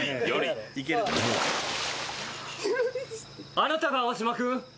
「あなたが青島君？